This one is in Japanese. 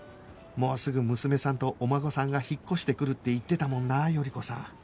もうすぐ娘さんとお孫さんが引っ越してくるって言ってたもんな頼子さん